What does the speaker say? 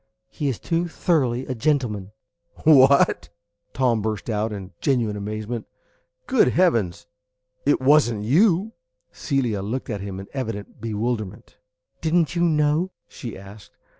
He is too thoroughly a gentleman." "What!" Tom burst out, in genuine amazement. "Good heavens! It was n't you?" Celia looked at him in evident bewilderment. "Did n't you know?" she asked.